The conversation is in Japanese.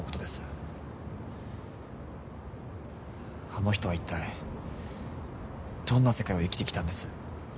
あの人は一体どんな世界を生きてきたんです？